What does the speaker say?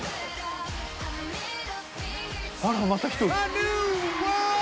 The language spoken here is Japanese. あらまた一人。